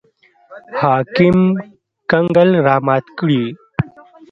حاکم کنګل رامات کړي.